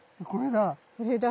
これだ。